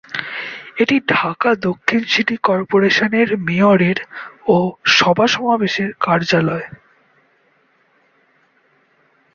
এটি ঢাকা দক্ষিণ সিটি কর্পোরেশনের মেয়রের ও সভা-সমাবেশের কার্যালয়।